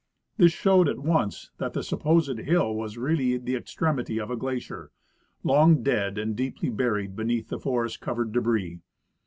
This showed at once that the sup])osed hill was really the ex tremity of a glacier, long dead and deeply buried beneath forest covered debris.